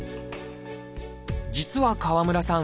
実は川村さん